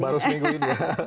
baru seminggu ini ya